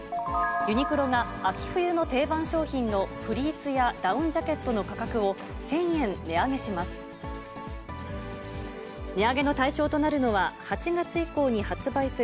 ユニクロが秋冬の定番商品のフリースやダウンジャケットの価格を１０００円値上げします。